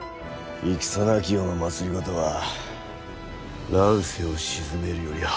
戦なき世の政は乱世を鎮めるよりはるかに困難じゃろう。